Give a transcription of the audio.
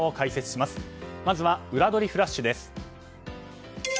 まず、ウラどりフラッシュです。